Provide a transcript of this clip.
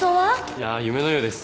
いやぁ夢のようです。